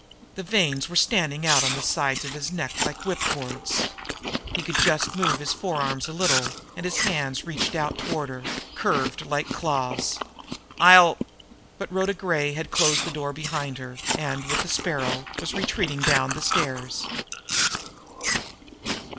The veins were standing out on the side of his neck like whipcords. He could just move his forearms a little, and his hands reached out toward her, curved like claws. "I'll " But Rhoda Gray had closed the door behind her, and, with the Sparrow, was retreating down the stairs.